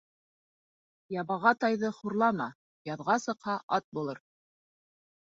Ябаға тайҙы хурлама: яҙға сыҡһа, ат булыр